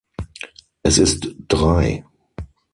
Es ist drei.